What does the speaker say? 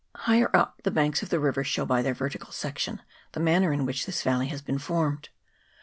Higher up, the banks of the river show by their vertical section the manner in which this valley has been formed.